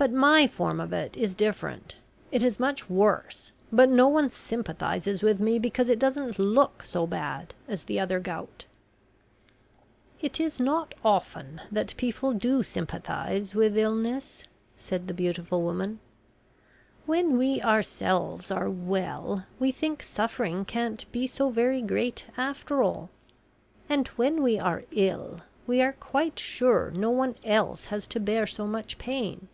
"But my form of it is different. It is much worse, but no one sympathises with me because it doesn't look so bad as the other gout." "It is not often that people do sympathise with illness," said the beautiful woman. "When we ourselves are well, we think suffering can't be so very great after all, and when we are ill we are quite sure no one else has to bear so much pain.